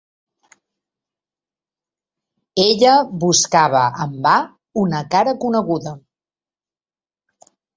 Ella buscava en va una cara coneguda.